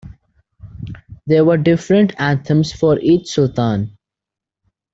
There were different anthems for each sultan.